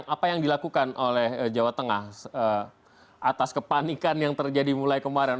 apa yang dilakukan oleh jawa tengah atas kepanikan yang terjadi mulai kemarin